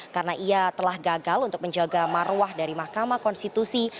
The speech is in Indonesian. karena ia telah gagal untuk menjaga maruah dari mahkamah konstitusi